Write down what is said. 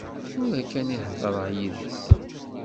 Tura kan i heḍṛeɣ yid-s.